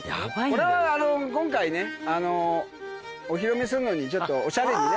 これはあの今回ねお披露目すんのにちょっとおしゃれにね。